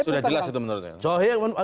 sudah jelas itu menurut anda